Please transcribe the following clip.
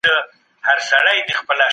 د دغي پلمې په وجه د چا حق مه هېروئ.